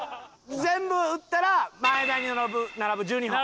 全部打ったら前田に並ぶ１２本。